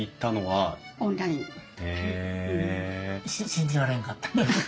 信じられんかった。